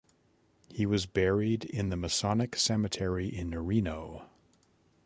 He was buried in the Masonic Cemetery in Reno.